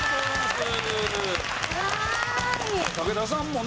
武田さんもね